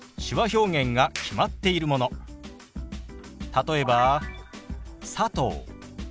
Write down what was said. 例えば「佐藤」。